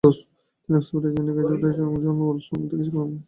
তিনি অক্সফোর্ড থেকে গ্রাজুয়েটেড জন ওয়ালসাল থেকে শিক্ষা গ্রহণ করেন।